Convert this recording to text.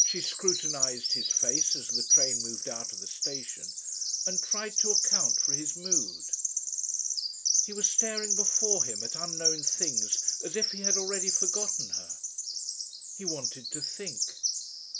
She scrutinised his face as the train moved out of the station, and tried to account for his mood. He was staring before him at unknown things as if he had already forgotten her. He wanted to think!